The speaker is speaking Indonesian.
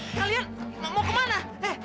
eh kalian mau kemana